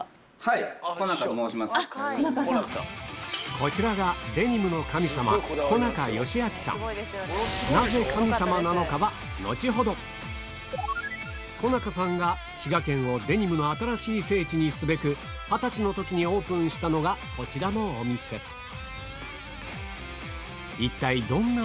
こちらが小中さんが滋賀県をデニムの新しい聖地にすべく二十歳の時にオープンしたのがこちらのお店え！